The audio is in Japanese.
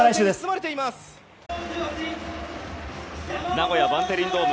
名古屋のバンテリンドーム